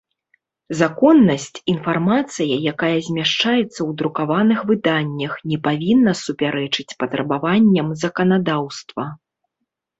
Законнасць – iнфармацыя, якая змяшчаецца ў друкаваных выданнях, не павiнна супярэчыць патрабаванням заканадаўства.